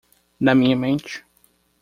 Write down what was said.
Na minha mente